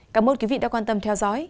cảm ơn quý vị đã quan tâm theo dõi